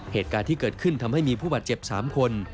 เหตุการณ์ที่เกิดขึ้นทำให้มีผู้บาดเจ็บ๓คน